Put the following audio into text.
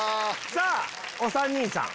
さぁお３人さん。